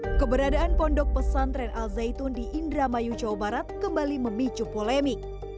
hai keberadaan pondok pesantren al zaitun di indramayu jawa barat kembali memicu polemik